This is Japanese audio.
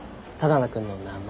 只野くんの名前。